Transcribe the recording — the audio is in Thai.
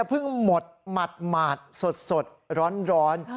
แล้วเพิ่งหมดหมัดหมาดสดสดร้อน